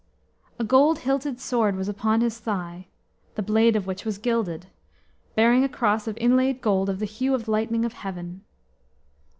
A gold hilted sword was upon his thigh, the blade of which was gilded, bearing a cross of inlaid gold of the hue of the lightning of heaven.